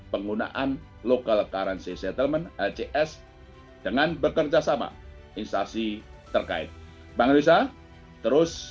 penggunaan local currency settlement dengan bekerjasama instasi terkait bang riza terus